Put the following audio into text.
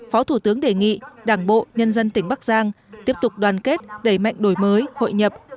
phó thủ tướng đề nghị đảng bộ nhân dân tỉnh bắc giang tiếp tục đoàn kết đẩy mạnh đổi mới hội nhập